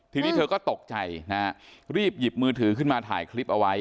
ทีนี้เธอก็ตกใจนะฮะรีบหยิบมือถือขึ้นมาถ่ายคลิปเอาไว้